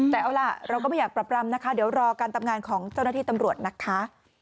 แต่เอาล่ะเราก็ไม่อยากปรับรำนะคะเดี๋ยวรอการทำงานของเจ้าหน้าที่ตำรวจนะคะ